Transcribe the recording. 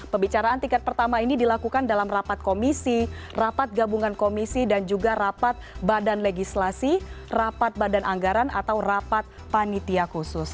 pembicaraan tingkat pertama ini dilakukan dalam rapat komisi rapat gabungan komisi dan juga rapat badan legislasi rapat badan anggaran atau rapat panitia khusus